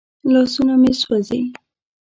لاسونه مې سوځي.